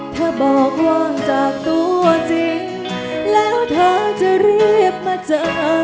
เธอบอกว่างจากตัวจริงแล้วเธอจะรีบมาเจอ